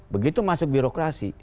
begitu masuk birokrasi